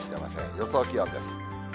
予想気温です。